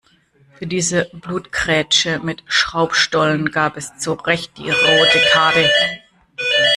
Für diese Blutgrätsche mit Schraubstollen gab es zurecht die rote Karte.